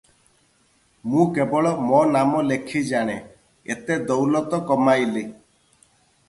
ମୁଁ କେବଳ ମୋ ନାମ ଲେଖି ଜାଣେ, ଏତେ ଦୌଲତ କମାଇଲି ।